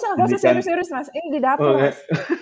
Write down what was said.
nggak usah serius serius mas ini di dapur mas